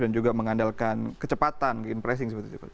dan juga mengandalkan kecepatan